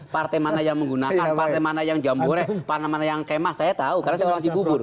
partai mana yang menggunakan partai mana yang jambore partai mana yang kemas saya tahu karena saya masih bubur